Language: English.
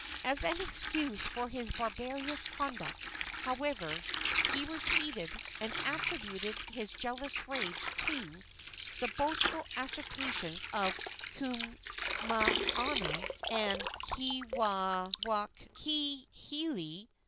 As an excuse for his barbarous conduct, however, he repeated, and attributed his jealous rage to, the boastful assertions of Kumauna and Keawaawakiihelei.